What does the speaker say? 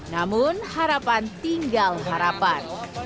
namun harapan tinggal harapan